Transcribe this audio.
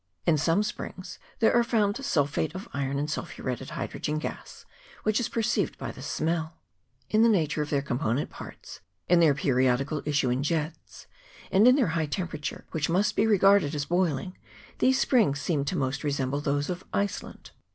In some springs there are also found sulphate of iron and sulphuretted hydrogen gas, which is perceived by the smell. In the nature of their component parts, in their periodical issue in jets, and in their high CHAP. XXIV.] LAKE TAUPO. 343 temperature, which must be regarded as boiling, these springs seem most to resemble those of Iceland.